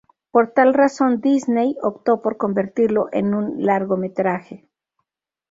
Por tal razón Disney opto por convertirlo en un largometraje.